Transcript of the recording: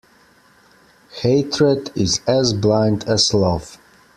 Hatred is as blind as love.